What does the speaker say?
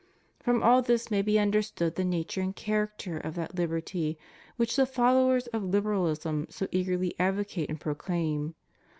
From all this may be understood the nature and character of that hberty which the followers of Liberalism so eagerly advocate and proclaim.